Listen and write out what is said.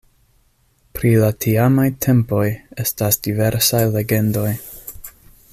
Pri la tiamaj tempoj estas diversaj legendoj.